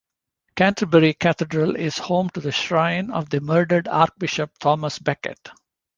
Canterbury Cathedral is home to the shrine of the murdered archbishop Thomas Becket.